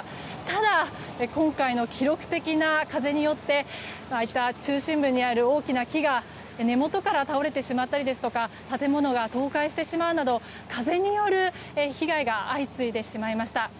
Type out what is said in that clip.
ただ、今回の記録的な風によって中心部にある大きな木が根元から倒れてしまったりですとか建物が倒壊してしまうなど風による被害が相次いでしまいました。